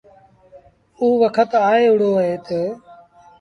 اوٚ وکت آئي وهُڙو اهي تا